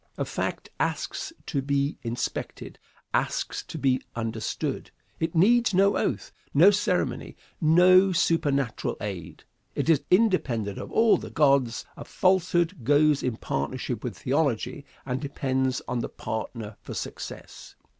A fact asks to be inspected, asks to be understood. It needs no oath, no ceremony, no supernatural aid. It is independent of all the gods. A falsehood goes in partnership with theology, and depends on the partner for success.